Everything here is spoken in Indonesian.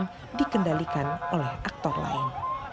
dan juga dikendalikan oleh aktor lain